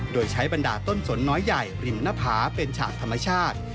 โดยใช้บรรดาต้นสนน้อยใหญ่ริมหน้าผาเป็นฉากธรรมชาติ